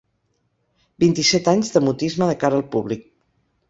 Vint-i-set anys de mutisme de cara al públic.